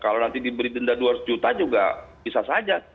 kalau nanti diberi denda dua ratus juta juga bisa saja